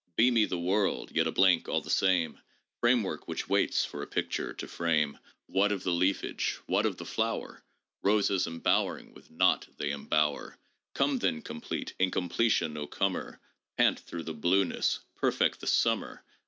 Beamy the world, yet a blank all the same, — Framework which waits for a picture to frame : What of the leafage, what of the flower? Roses embowering with naught they embower ! Come then, complete incompletion, O comer, Pant through the blueness, perfect the summer